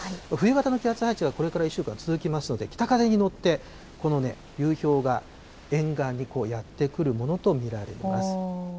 冬型の気圧配置がこれから１週間続きますので、北風に乗って、このね、流氷が沿岸にやって来るものと見られます。